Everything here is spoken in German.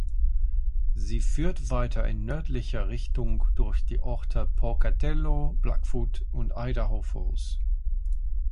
Sie führt weiter in nördlicher Richtung durch die Orte Pocatello, Blackfoot und Idaho Falls.